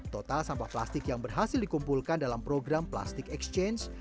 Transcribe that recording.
total sampah plastik yang berhasil dikumpulkan dalam program plastik exchange